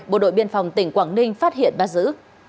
bộ đội biên phòng tỉnh quảng ninh phát hiện bắt giữ